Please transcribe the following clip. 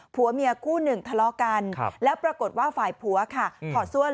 ผัวเมียคู่หนึ่งทะเลาะกันแล้วปรากฏว่าฝ่ายผัวค่ะถอดเสื้อ